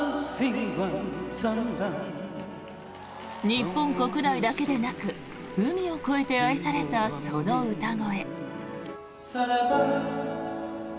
日本国内だけでなく海を越えて愛されたその歌声。